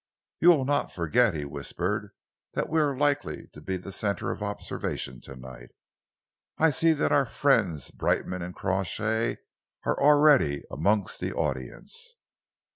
"You will not forget," he whispered, "that we are likely be the centre of observation to night. I see that our friends Brightman and Crawshay are already amongst the audience."